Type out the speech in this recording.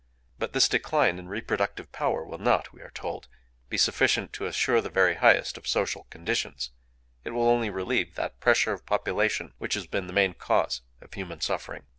But this decline in reproductive power will not, we are told, be sufficient to assure the very highest of social conditions: it will only relieve that pressure of population which has been the main cause of human suffering.